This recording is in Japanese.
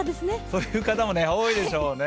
そういう方も多いでしょうね。